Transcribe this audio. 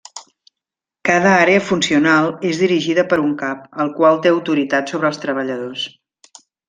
Cada àrea funcional és dirigida per un cap, el qual té autoritat sobre els treballadors.